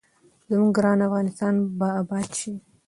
زموږ ګران افغانستان به اباد شي.